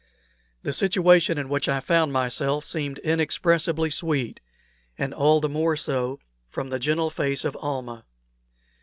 The situation in which I found myself seemed inexpressibly sweet, and all the more so from the gentle face of Almah.